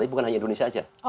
tapi bukan hanya indonesia saja